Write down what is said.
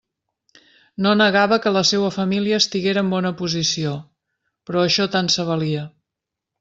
No negava que la seua família estiguera en «bona posició»; però això tant se valia!